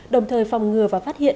đồng thời phòng ngừa và phát hiện